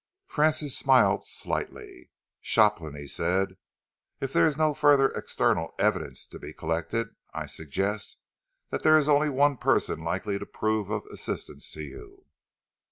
Francis smiled slightly. "Shopland," he said, "if there is no further external evidence to be collected, I suggest that there is only one person likely to prove of assistance to you."